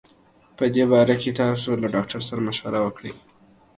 په دي باره کي تاسو له ډاکټر سره مشوره کړي